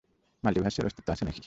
মাল্টিভার্সের অস্তিত্ব আছে নাকি?